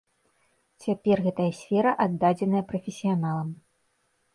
Цяпер гэтая сфера аддадзеная прафесіяналам.